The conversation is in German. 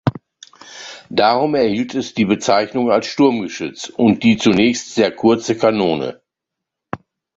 Darum erhielt es die Bezeichnung als Sturmgeschütz und die zunächst sehr kurze Kanone.